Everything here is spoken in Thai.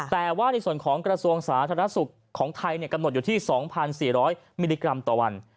แต่ว่าในส่วนของกระทรวงสาธารณสุขของไทยกำหนดอยู่ที่๒๔๐๐มิลลิกรัมต่อวัน